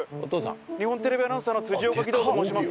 日本テレビアナウンサーの辻岡義堂と申します。